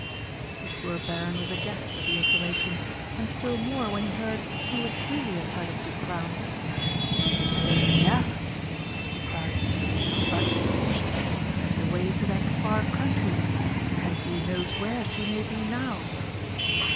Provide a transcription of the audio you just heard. The poor Baron was aghast at the information, and still more when he heard who was really entitled to the crown. "The Lady Daphne!" he cried. "But she has been sent away to that far country and who knows where she may be now!"